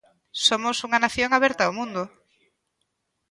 Somos unha nación aberta ao mundo.